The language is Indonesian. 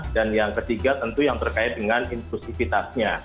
dan yang ketiga tentu yang terkait dengan inklusifitasnya